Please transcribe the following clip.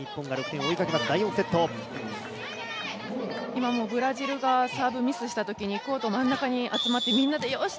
今、ブラジルがサーブミスしたときにコート、真ん中に集まって、みんなでよし！